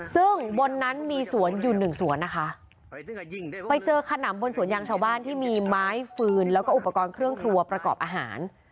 ซึ่งบนนั้นมีสวนอยู่หนึ่งสวนนะคะไปเจอขนำบนสวนยางชาวบ้านที่มีไม้ฟืนแล้วก็อุปกรณ์เครื่องครัวประกอบอาหาร